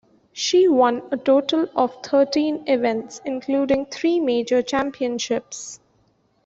She won a total of thirteen events, including three major championships.